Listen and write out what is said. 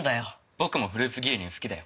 僕もフルーツ牛乳好きだよ。